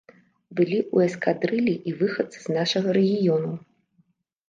Былі ў эскадрыллі і выхадцы з нашага рэгіёну.